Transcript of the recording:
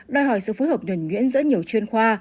đòi hỏi sự phối hợp nhuẩn nhuyễn giữa nhiều chuyên khoa